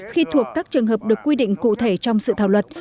khi thuộc các trường hợp được quy định cụ thể trong sự thảo luật